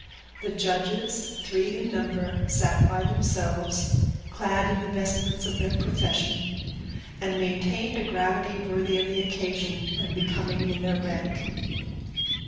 The judges, three in number, sat by themselves, clad in the vestments of their profession, and maintained a gravity worthy of the occasion, and becoming in their rank.